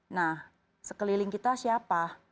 nah sekeliling kita siapa